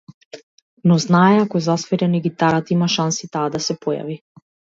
Но знае, ако засвири на гитарата, има шанси таа да се појави.